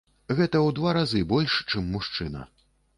Гэта ў два разы больш, чым мужчына.